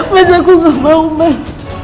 mas aku gak mau mas